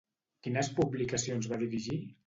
Quines publicacions va dirigir?